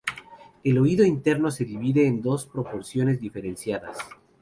El oído interno se divide en dos porciones diferenciadas.